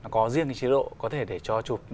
có riêng cái chế độ có thể để cho chụp